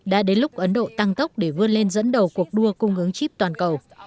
đã đến lúc ấn độ tăng tốc để vươn lên dẫn đầu cuộc đua cung ứng chip toàn cầu